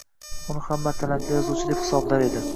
Uni hamma talantli yozuvchi deb hisoblar edi